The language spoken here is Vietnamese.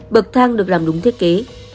bậc thang được làm đúng thiết kế